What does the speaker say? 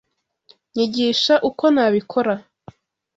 Nyigisha uko nabikora.